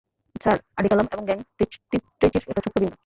Sir, Adaikalam এর gang ত্রিচির একটা ছোট্ট বিন্দু।